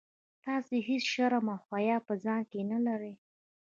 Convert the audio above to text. تاسي هیڅ شرم او حیا په ځان کي نه لرئ.